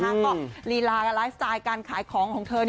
ก็รีล่าไลฟ์สไตล์การขายของของเธอ